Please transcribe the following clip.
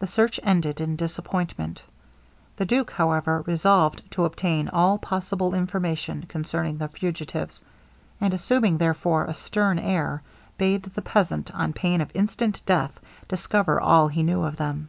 The search ended in disappointment. The duke, however, resolved to obtain all possible information concerning the fugitives; and assuming, therefore, a stern air, bade the peasant, on pain of instant death, discover all he knew of them.